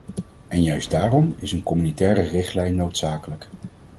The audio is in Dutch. En juist daarom is een communautaire richtlijn noodzakelijk.